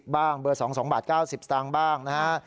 เบอร์๒๒๙๐บาทบ้างนะฮะ